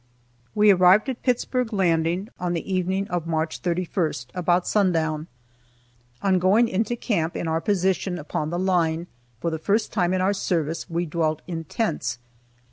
We arrived at Pittsburg Landing on the evening of March 31, about sundown. On going into camp in our position upon the line, for the first time in our service we dwelt in tents.